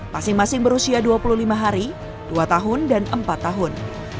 masing masing berusia dua puluh lima hari dua tahun dan empat tahun